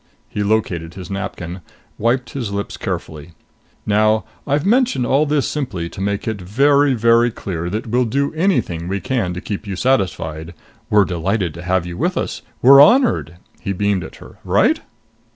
He located his napkin, wiped his lips carefully. "Now I've mentioned all this simply to make it very, very clear that we'll do anything we can to keep you satisfied. We're delighted to have you with us. We are honored!" He beamed at her. "Right?"